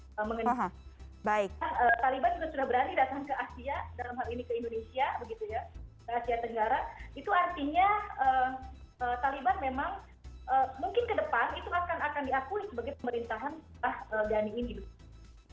itu artinya taliban memang mungkin ke depan itu akan diakui sebagai pemerintahan setelah ganding ini